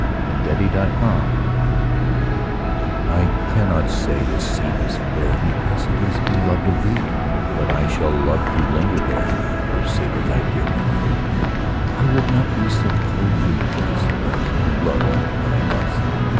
IMPARTIALITY I cannot say a scene is fair Because it is beloved of thee But I shall love to linger there, For sake of thy dear memory; I would not be so coldly just As to love only what I must.